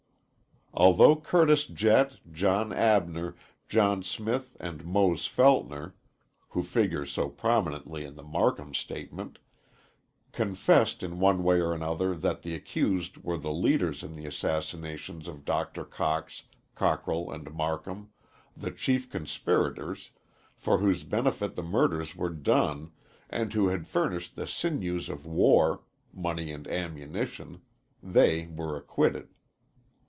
Although Curtis Jett, John Abner, John Smith and Mose Feltner (who figures so prominently in the Marcum statement), confessed in one way or another that the accused were the leaders in the assassinations of Dr. Cox, Cockrell and Marcum, the chief conspirators, for whose benefit the murders were done and who had furnished the sinews of war money and ammunition they were acquitted.